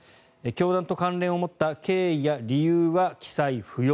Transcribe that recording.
教団と関連を持った経緯や理由は記載不要。